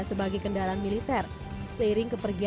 saya terus ke bali untuk acara penangnya sebegitu